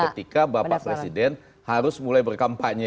ketika bapak presiden harus mulai berkampanye